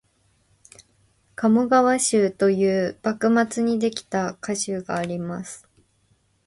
「鴨川集」という幕末にできた歌集があります